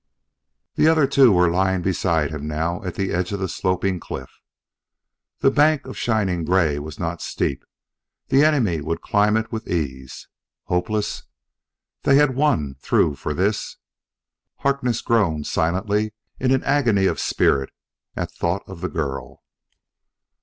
The other two were lying beside him now at the edge of the sloping cliff. The bank of shining gray was not steep; the enemy would climb it with ease. Hopeless! They had won through for this!... Harkness groaned silently in an agony of spirit at thought of the girl.